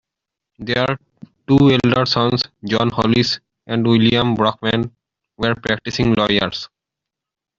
Their two elder sons, John Hollis and William Brockman, were practicing lawyers.